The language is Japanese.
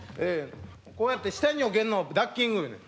こうやって下によけんのをダッキング言うねん。